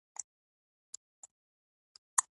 دا پیسې د غیر قانوني او ناروا لارو ګټل شوي وي.